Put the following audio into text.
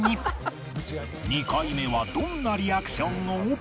２回目はどんなリアクションを？